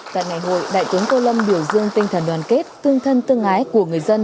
tại ngày hội đại tướng tô lâm biểu dương tinh thần đoàn kết tương thân tương ái của người dân